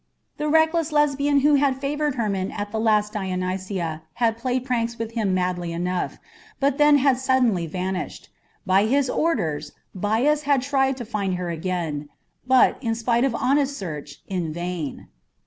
The reckless Lesbian who had favoured Hermon at the last Dionysia had played pranks with him madly enough, but then had suddenly vanished. By his master's orders Bias had tried to find her again, but, in spite of honest search, in vain.